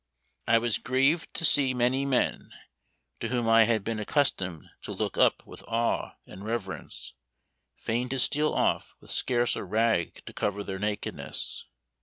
I was grieved to see many men, to whom I had been accustomed to look up with awe and reverence, fain to steal off with scarce a rag to cover their nakedness.